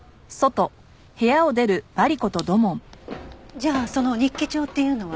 じゃあその日記帳っていうのは？